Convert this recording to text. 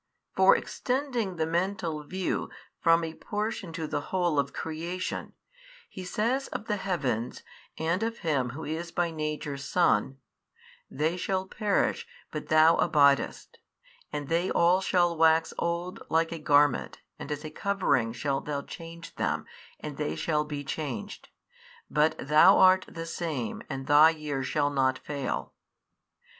For extending the mental view from a portion to the whole of creation, he says of the heavens and of Him Who is by Nature Son, They shall perish but THOU abidest, and they all shall wax old like a garment and as a covering shalt Thou change them and they shall be changed, but THOU art the Same and Thy years shall not fail.